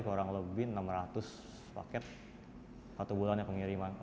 kurang lebih enam ratus paket satu bulannya pengiriman